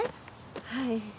はい。